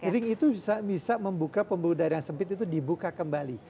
ring itu bisa membuka pembuluh darah yang sempit itu dibuka kembali